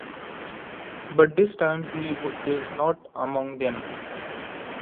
But this time he is not among them.